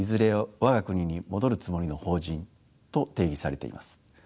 我が国に戻るつもりの邦人と定義されています。